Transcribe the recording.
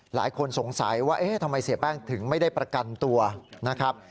หลายคนสงสัยว่าเอ๊ะทำไมเสียแป้งถึงไม่ได้ประกันตัวนะครับ